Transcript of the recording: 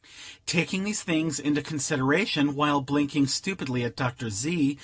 Taking these things into consideration, while blinking stupidly at Dr. Z.